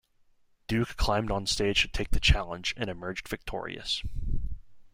Duke climbed on stage to take the challenge, and emerged victorious.